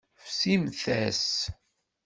Fsimt-as.